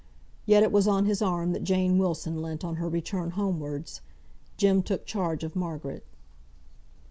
Yet it was on his arm that Jane Wilson leant on her return homewards. Jem took charge of Margaret.